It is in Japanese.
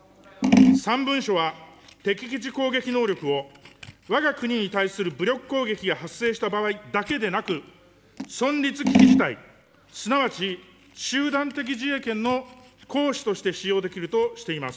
３文書は、敵基地攻撃能力をわが国に対する武力攻撃が発生した場合だけでなく、存立危機事態、すなわち、集団的自衛権の行使として使用できるとしています。